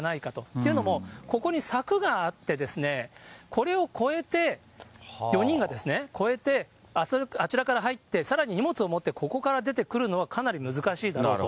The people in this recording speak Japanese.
というのも、ここに柵があって、これを越えて、４人が越えて、あちらから入って、さらに荷物を持ってここから出てくるのは、かなり難しいだろうと。